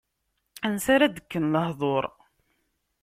Ansi ara d-kken lehdur!